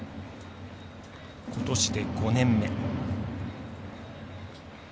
ことしで５年目。